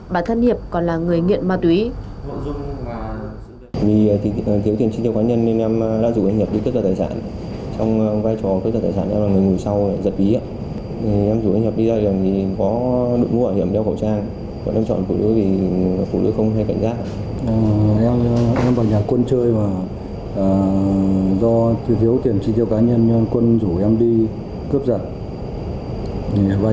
bà thân hiệp còn là người nghiện ma túy